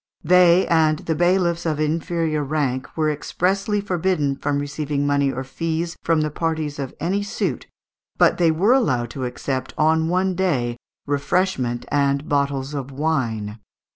They and the bailiffs of inferior rank were expressly forbidden from receiving money or fees from the parties in any suit, but they were allowed to accept on one day refreshment and bottles of wine.